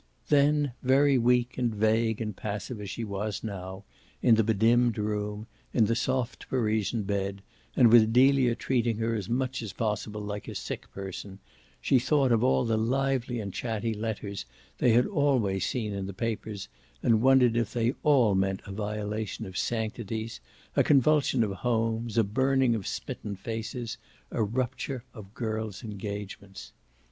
Then, very weak and vague and passive as she was now, in the bedimmed room, in the soft Parisian bed and with Delia treating her as much as possible like a sick person, she thought of the lively and chatty letters they had always seen in the papers and wondered if they ALL meant a violation of sanctities, a convulsion of homes, a burning of smitten faces, a rupture of girls' engagements.